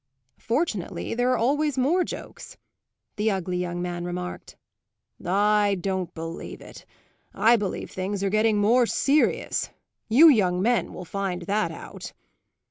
"Fortunately there are always more jokes," the ugly young man remarked. "I don't believe it I believe things are getting more serious. You young men will find that out."